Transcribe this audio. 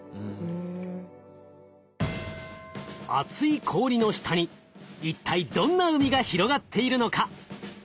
厚い氷の下に一体どんな海が広がっているのか？